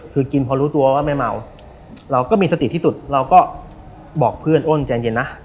คือกินพอรู้ตัวว่าไม่เมาเราก็มีสติที่สุดเราก็บอกเพื่อนอ้นใจเย็นนะ